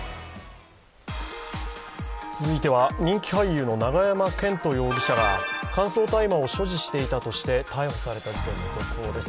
続いては、人気俳優の永山絢斗容疑者が乾燥大麻を所持していたとして逮捕された事件の続報です。